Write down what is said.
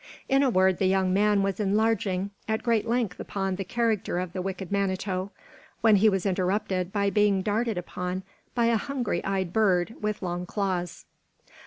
In a word, the young man was enlarging at great length upon the character of the wicked Manito, when he was interrupted by being darted upon by a hungry eyed bird, with long claws.